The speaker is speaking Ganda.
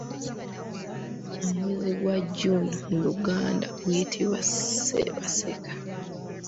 Omwezi gwa June mu luganda guyitibwa Ssebaseka.